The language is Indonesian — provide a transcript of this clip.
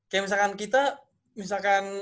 kayak misalkan kita misalkan